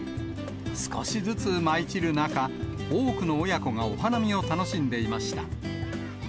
少しずつ舞い散る中、多くの親子がお花見を楽しんでいました。